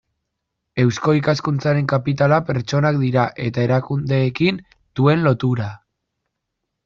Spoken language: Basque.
Eusko Ikaskuntzaren kapitala pertsonak dira eta erakundeekin duen lotura.